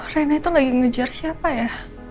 rena itu lagi ngejar siapa ya